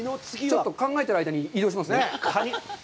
ちょっと考えてる間に移動しますね。